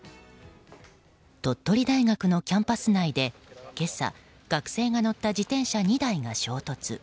鳥取大学のキャンパス内で今朝学生が乗った自転車２台が衝突。